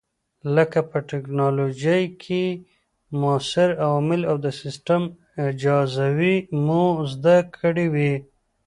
لکه په ټېکنالوجۍ کې موثر عوامل او د سیسټم اجزاوې مو زده کړې وې.